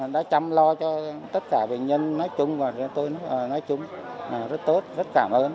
đã chăm lo cho tất cả bệnh nhân nói chung và tôi nói chung rất tốt rất cảm ơn